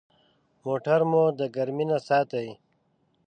موټر مو د ګرمي نه ساتي.